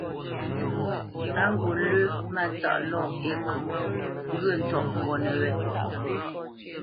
A ghǔt lə́ Mátsáʼ lɔ Ekô ŋgyə̌ ntɔ́ʼmbónə̄ wé.